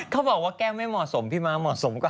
เขาบอกว่าแก้วไม่เหมาะสมพี่ม้าเหมาะสมกว่า